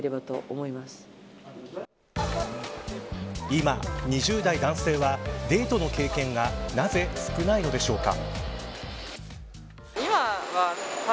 今２０代男性は、デートの経験がなぜ少ないのでしょうか。